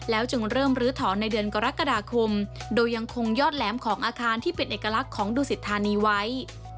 จึงเริ่มลื้อถอนในเดือนกรกฎาคมโดยยังคงยอดแหลมของอาคารที่เป็นเอกลักษณ์ของดูสิทธานีไว้